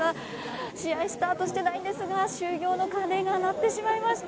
試合スタートしていませんが就業の鐘が鳴ってしまいました。